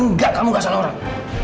enggak kamu gak salah orang